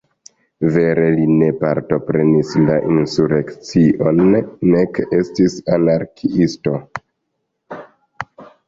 Vere li ne partoprenis la insurekcion nek estis anarkiisto.